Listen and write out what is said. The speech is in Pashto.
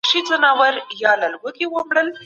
د کورني ژوند اړوند شرعي او عقلي هدايات او لارښووني